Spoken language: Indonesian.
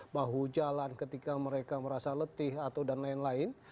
bahu jalan ketika mereka merasa letih atau dan lain lain